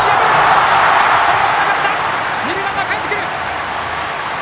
二塁ランナーかえってくる！